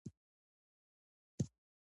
د ځان پرتله کول له نورو سره پریږدئ.